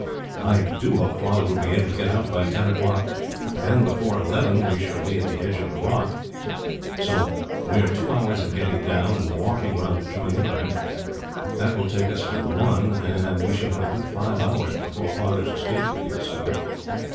"I do hope Father will be able to get out by ten o'clock. Then, before eleven we shall be at the edge of the rock. Say we are two hours in getting down, and walking round to join Ibrahim. That will take us till one, and we shall have a good five hours before Father's escape will be discovered.